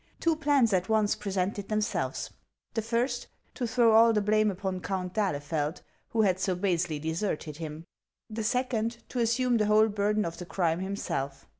Two plans at once presented them selves : the tirst, to throw all the blame upon Count d'Ahleteld, who had so basely deserted him ; the second, to assume the whole burden of the crime himself.